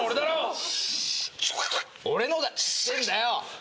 俺のだっつってんだよ！